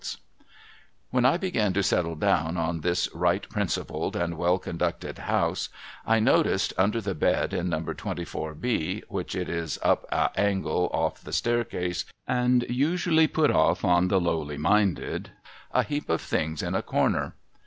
HEAD OR TAIL 285 When I began to settle down in this right principled and well conducted House, I noticed, under the bed in No. 24 B (which it is up a angle off the staircase, and usually put off upon the lowly minded), a heap of things in a corner.